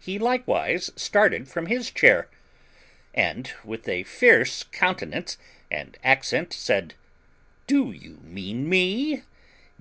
He likewise started from his chair, and, with a fierce countenance and accent, said, "Do you mean me?